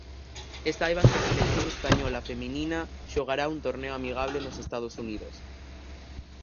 E saiban que a selección española feminina xogará un torneo amigable nos Estados Unidos.